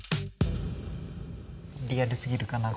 リアルすぎるかな？